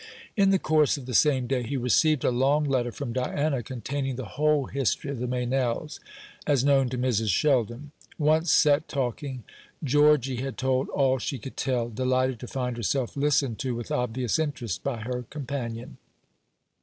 In the course of the same day he received a long letter from Diana containing the whole history of the Meynells, as known to Mrs. Sheldon. Once set talking, Georgy had told all she could tell, delighted to find herself listened to with obvious interest by her companion.